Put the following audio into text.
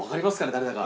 誰だか。